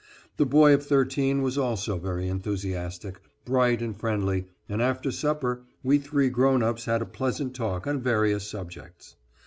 The boy of thirteen was also very enthusiastic, bright and friendly, and after supper we three grown ups had a pleasant talk on various subjects.